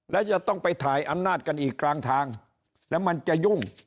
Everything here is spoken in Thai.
และจะต้องไปถ่ายอำนาจกันอีกกลางทางแล้วมันจะยุ่ง